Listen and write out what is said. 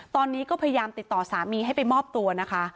ตอนนี้ก็พยายามติดต่อสามีให้ไปมอบตัวนะคะ